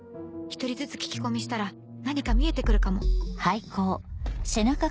１人ずつ聞き込みしたら何か見えて来るかも。